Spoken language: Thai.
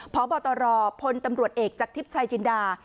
พบตรพลตำรวจเอกจากทิพย์ชายจินดา